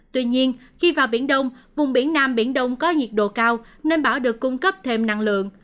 tuy nhiên khi vào biển đông vùng biển nam biển đông có nhiệt độ cao nên bão được cung cấp thêm năng lượng